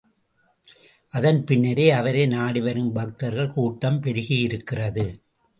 அதன் பின்னரே அவரை நாடி வரும் பக்தர்கள் கூட்டம் பெருகியிருக்கிறது.